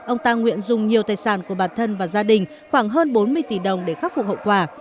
ông ta nguyện dùng nhiều tài sản của bản thân và gia đình khoảng hơn bốn mươi tỷ đồng để khắc phục hậu quả